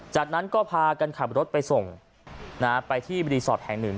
จากนั้นก็พากันขับรถไปส่งไปที่รีสอร์ทแห่งหนึ่ง